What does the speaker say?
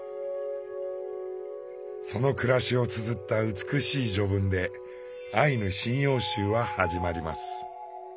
その暮らしをつづった美しい序文で「アイヌ神謡集」は始まります。